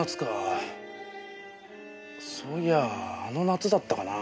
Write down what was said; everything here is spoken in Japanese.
そういやあの夏だったかな。